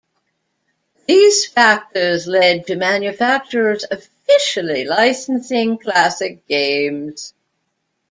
These factors led to manufacturers officially licensing classic games.